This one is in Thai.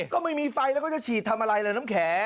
ก็ไม่มีไฟแล้วเขาจะฉีดทำอะไรเลยน้ำแข็ง